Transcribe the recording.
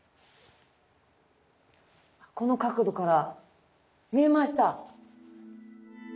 この角度から見えました。